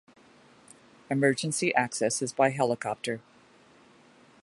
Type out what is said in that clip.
Emergency access is by helicopter.